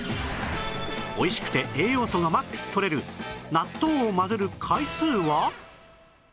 おいしくて栄養素が ＭＡＸ とれる納豆を混ぜる回数は？